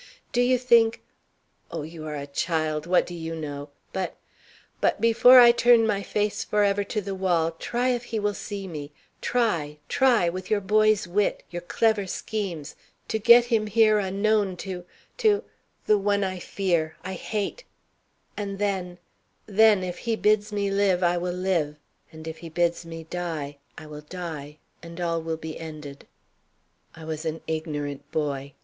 Do you think oh, you are a child, what do you know? but but before I turn my face forever to the wall try if he will see me try, try with your boy's wit your clever schemes, to get him here unknown to to the one I fear, I hate and then, then, if he bids me live, I will live, and if he bids me die, I will die; and all will be ended.' "I was an ignorant boy.